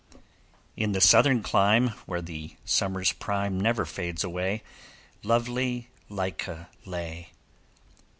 In the southern clime, Where the summer's prime Never fades away, Lovely Lyca lay.